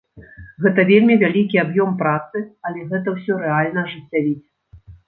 Гэта вельмі вялікі аб'ём працы, але гэта ўсё рэальна ажыццявіць.